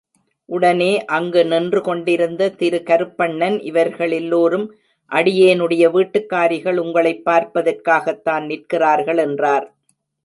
உடனே அங்கு நின்று கொண்டிருந்த திரு கருப்பண்ணன், இவர்களெல்லோரும் அடியேனுடைய வீட்டுக்காரிகள் உங்களைப் பார்ப்பதற்காகத் தான் நிற்கிறார்கள் என்றார்.